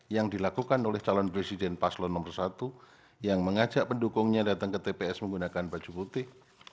yang dilakukan oleh calon presiden paslon nomor satu yang mengajak pendukungnya datang ke tps menggunakan baju putih